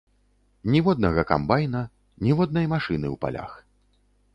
Ніводнага камбайна, ніводнай машыны ў палях.